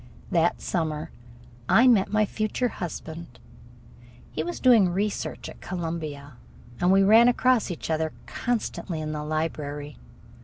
That summer I met my future husband. He was doing research work at Columbia, and we ran across each other constantly in the library.